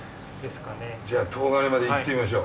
じゃあ東金まで行ってみましょう。